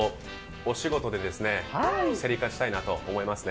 お仕事で競り勝ちたいなと思いますね。